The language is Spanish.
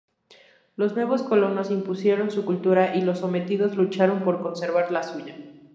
Los nuevos colonos impusieron su cultura y los sometidos lucharon por conservar la suya.